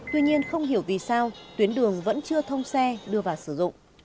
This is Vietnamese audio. tuy nhiên không hiểu vì sao tuyến đường vẫn chưa thông xe đưa vào sử dụng